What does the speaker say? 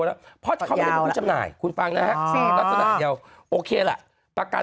ไม่ใช่ไออย่างไอเนี่ยคือหลอน